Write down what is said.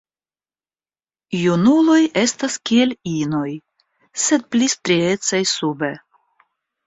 Junuloj estas kiel inoj, sed pli striecaj sube.